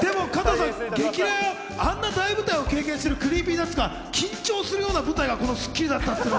あんな大舞台を経験してるＣｒｅｅｐｙＮｕｔｓが緊張するような舞台がこの『スッキリ』だったという。